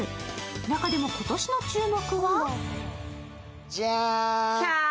中でも今年の注目は？